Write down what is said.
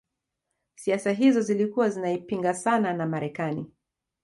siasa hizo zilikuwa zinaipinga sana na Marekani